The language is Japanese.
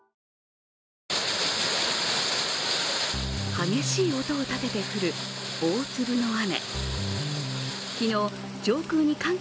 激しい音を立てて降る大粒の雨。